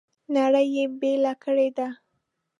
نړۍ یې بېله کړې ده.